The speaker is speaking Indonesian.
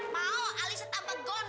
mau alisnya tambah gondrol